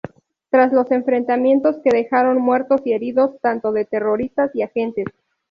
Tras los enfrentamientos, que dejaron muertos y heridos tanto entre terroristas y agentes.